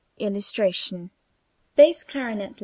[Illustration: BASS CLARINET.